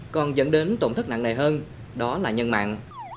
còn dẫn đến tổng thức nặng này hơn đó là nhân mạng